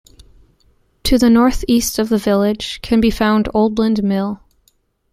To the North East of the village can be found Oldland Mill.